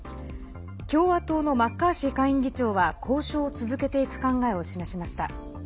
共和党のマッカーシー下院議長は交渉を続けていく考えを示しました。